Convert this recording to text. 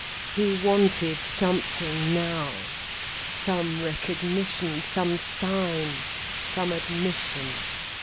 He wanted something now, some recognition, some sign, some admission.